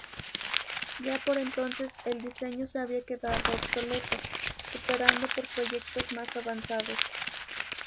Ya por entonces el diseño se había quedado obsoleto, superado por proyectos más avanzados.